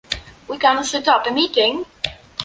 We can set up a meeting?